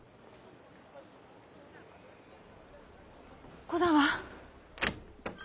「ここだわ」。